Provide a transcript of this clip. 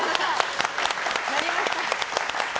やりました。